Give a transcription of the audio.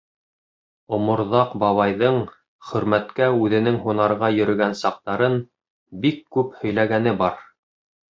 Оморҙаҡ бабайҙың Хөрмәткә үҙенең һунарға йөрөгән саҡтарын бик күп һөйләгәне бар.